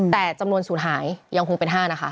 แต่จำนวนศูนย์หายยังคงเป็น๕นะคะ